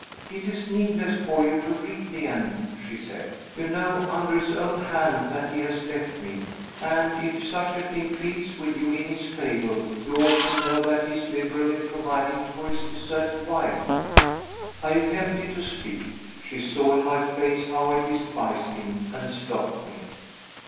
"It is needless for you to read the end," she said. "You know, under his own hand, that he has left me; and (if such a thing pleads with you in his favor) you also know that he is liberal in providing for his deserted wife." I attempted to speak. She saw in my face how I despised him, and stopped me.